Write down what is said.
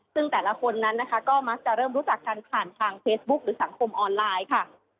ซึ่งแต่ละคนนั้นนะคะก็มักจะเริ่มรู้จักกันผ่านทางเฟซบุ๊คหรือสังคมออนไลน์ค่ะ